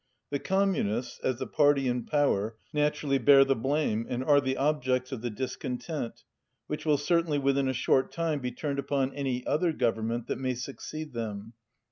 The Com munists, as the party in power, naturally bear the blame and are the objects of the discontent, which will certainly within a short time be turned upon any other government that may succeed them.